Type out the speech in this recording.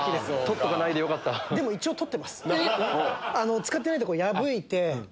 使ってないとこ破いて。